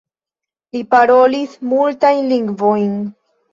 Li parolis multajn lingvojn.